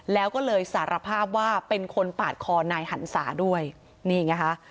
แล้วก็เลยสารภาพว่าเป็นคนปาดคอนายหันศาด้วยนี่ไงค่ะ